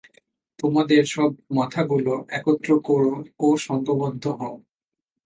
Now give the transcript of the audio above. তোমাদের সব মাথাগুলো একত্র কর ও সঙ্ঘবদ্ধ হও।